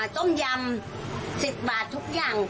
ต้มยำ๑๐บาททุกอย่าง